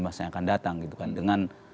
masyarakat akan datang dengan